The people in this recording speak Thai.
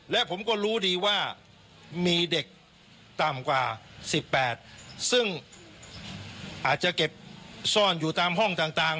และผมก็รู้ดีว่ามีเด็กต่ำกว่า๑๘ซึ่งอาจจะเก็บซ่อนอยู่ตามห้องต่าง